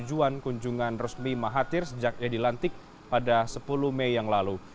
tujuan kunjungan resmi mahathir sejak ia dilantik pada sepuluh mei yang lalu